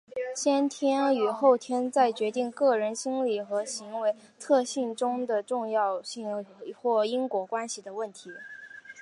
先天与后天在决定个人心理和行为特性中的重要性或因果关系的问题。